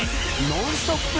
ノンストップ！